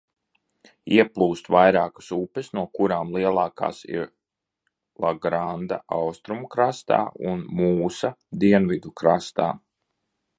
Ieplūst vairākas upes, no kurām lielākās ir Lagranda austrumu krastā un Mūsa dienvidu krastā.